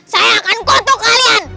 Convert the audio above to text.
saya akan kutuk kalian